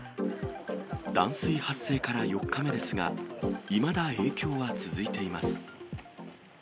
断水発生から４日目ですが、いまだ影響は続いています。